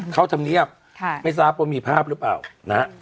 เขาทำเนียบไม่ทราบว่ามีภาพหรือเปล่า